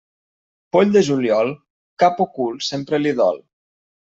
Poll de juliol, cap o cul sempre li dol.